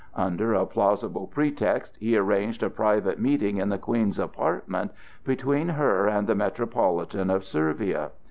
Under a plausible pretext he arranged a private meeting in the Queen's apartments between her and the Metropolitan of Servia.